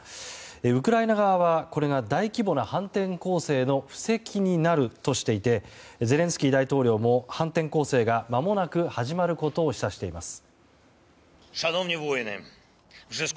ウクライナ側はこれが大規模は反転攻勢の布石になるとしていてゼレンスキー大統領も反転攻勢がまもなく始まることを示唆しています。